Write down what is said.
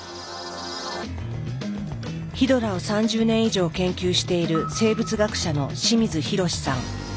ヒドラを３０年以上研究している生物学者の清水裕さん。